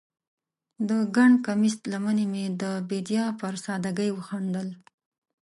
د ګنډ کمیس لمنې مې د بیدیا پر سادګۍ وخندل